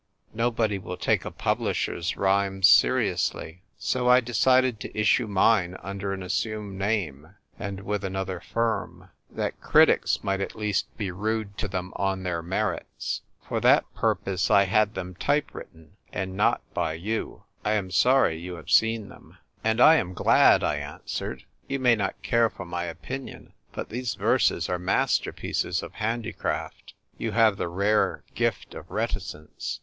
Nobody will take a publisher's rhymes seriously. So I decided to issue mine under an assumed name, and with another firm, that critics might at least be rude to them on their merits. For that purpose I had them type written — and not by you. I am sorry you have seen them." 1 68 THE TYPE WRITER GIRL. "And I am glad," I answered. "You may not care for my opinion ; but these verses are masterpieces of handicraft. You have the rare gift of reticence.